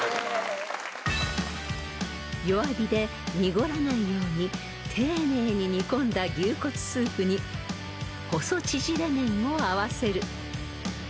［弱火で濁らないように丁寧に煮込んだ牛骨スープに細縮れ麺を合わせる］